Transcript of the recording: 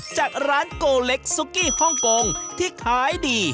จากร้านโกเล็กซุกี้ฮ่องกงที่ขายดี